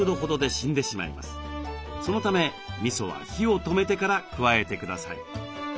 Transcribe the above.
そのためみそは火を止めてから加えてください。